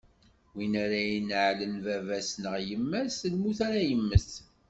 Win ara ineɛlen baba-s neɣ yemma-s, lmut ara yemmet.